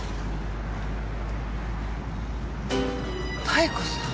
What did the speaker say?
妙子さん！？